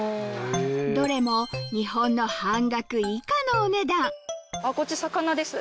どれも日本の半額以下のお値段こっち。